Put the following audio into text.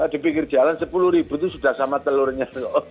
dipikir jalan sepuluh ribu itu sudah sama telurnya